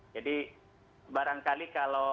jadi barangkali kalau